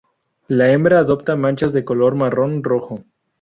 La hembra adopta manchas de color marrón-rojo.